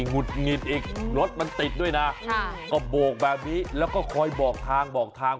หุดหงิดอีกรถมันติดด้วยนะก็โบกแบบนี้แล้วก็คอยบอกทางบอกทาง